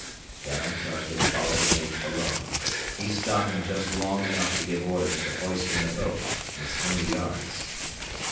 Then I turned and followed the mate below, he stopping just long enough to give orders to hoist in the boat and swing the yards.